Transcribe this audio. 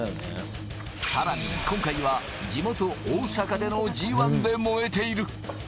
さらに今回は地元・大阪でのＧ１で燃えている。